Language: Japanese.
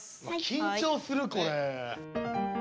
緊張するこれ。